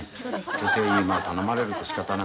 女性に頼まれると仕方なく。